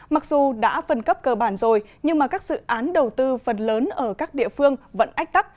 mặc dù đã phân cấp cơ bản rồi nhưng mà các dự án đầu tư phần lớn ở các địa phương vẫn ách tắc